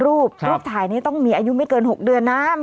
รูปรูปถ่ายนี้ต้องมีอายุไม่เกิน๖เดือนนะ